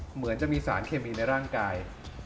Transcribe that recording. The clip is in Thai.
เหมือนจะมีสารเคมีในร่างกาย